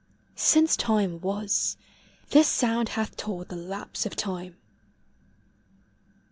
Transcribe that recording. Since time was, This sound hath told the lapse of time.